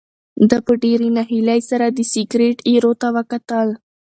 ده په ډېرې ناهیلۍ سره د سګرټ ایرو ته وکتل.